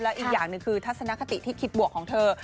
อีกอย่างหนึ่งคือทัศนคติที่คิดบวกของเธอ